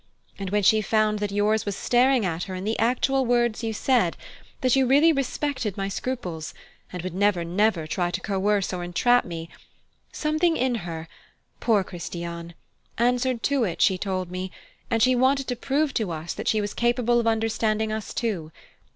And when she found that yours was staring at her in the actual words you said: that you really respected my scruples, and would never, never try to coerce or entrap me something in her poor Christiane! answered to it, she told me, and she wanted to prove to us that she was capable of understanding us too.